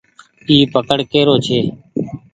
اي پڪڙ ڪي رو ڇي۔